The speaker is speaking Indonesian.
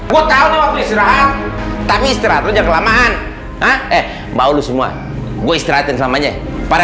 gue tahu tapi istirahatnya kelamaan eh baru semua gue istirahat selamanya pada